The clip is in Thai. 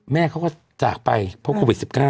แม่เขาก็จากไปเพราะโควิด๑๙